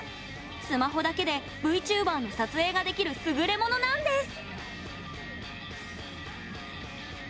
スマホだけでＶＴｕｂｅｒの撮影ができるすぐれものなんです。